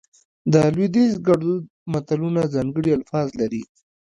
د لودیز ګړدود متلونه ځانګړي الفاظ لري